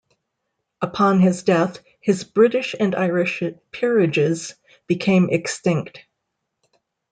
Upon his death, his British and Irish peerages became extinct.